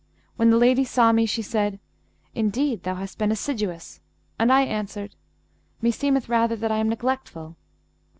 When the lady saw me, she said, 'Indeed, thou hast been assiduous;' and I answered, 'Meseemeth rather that I am neglectful.'